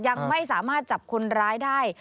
ยังไม่สามารถจับคนร้ายได้